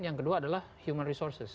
yang kedua adalah human resources